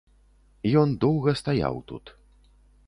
Ён доўга стаяў тут.